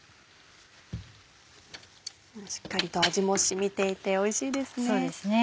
しっかりと味も染みていておいしいですね。